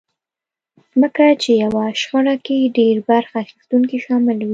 ځکه چې يوه شخړه کې ډېر برخه اخيستونکي شامل وي.